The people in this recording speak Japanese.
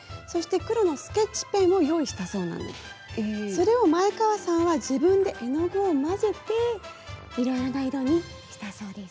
それを前川さんは自分で絵の具を混ぜていろいろな色にしたそうです。